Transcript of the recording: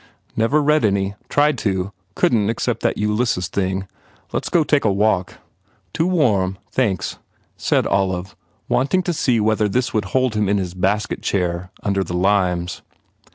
"Never read any. Tried to. Couldn t, except that Ulysses thing. Let s go take a walk." "Too warm, thanks," said Olive, wanting to se e whether this would hold him in his basket chair under the limes.